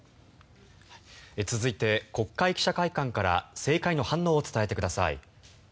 続いて国会記者会館から政界の反応を伝えてください。